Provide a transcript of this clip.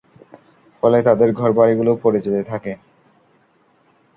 ফলে তাদের ঘরবাড়িগুলো পড়ে যেতে থাকে।